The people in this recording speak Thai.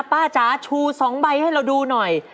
จ๋าชู๒ใบให้เราดูหน่อย